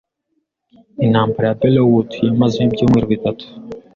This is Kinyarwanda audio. Intambara ya Belleau Wood yamaze ibyumweru bitatu.